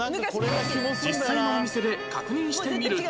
実際のお店で確認してみると